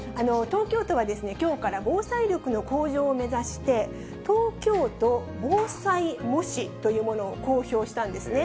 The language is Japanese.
東京都は、きょうから防災力の向上を目指して、東京都防災模試というものを公表したんですね。